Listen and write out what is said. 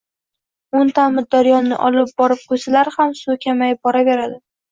O’nta Amudaryoni olib borib quysalar ham suvi kamayib boraveradi.